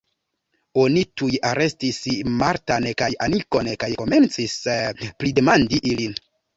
Oni tuj arestis Martan kaj Anikon kaj komencis pridemandi ilin.